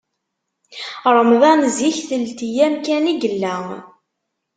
Ṛemḍan zik telt yam kan i yella.